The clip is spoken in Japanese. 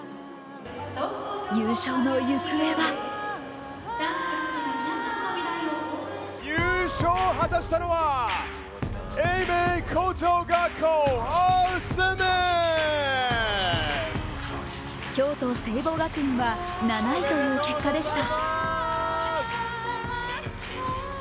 優勝の行方は京都聖母学院は７位という結果でした。